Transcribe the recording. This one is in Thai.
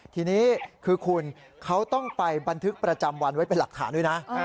ทีนี้คือคุณเขาต้องไปบันทึกประจำวันไว้เป็นหลักฐานด้วยนะ